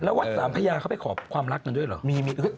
แล้ววัดสามพญาเขาไปขอความรักกันด้วยเหรอ